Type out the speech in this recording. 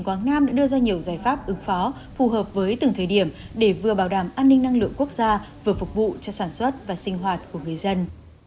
quảng nam đã đưa ra nhiều giải pháp ứng phó phù hợp với từng thời điểm để vừa bảo đảm an ninh năng lượng quốc gia vừa phục vụ cho sản xuất và sinh hoạt của người dân